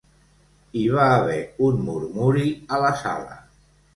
Hi va haver un murmuri a la sala.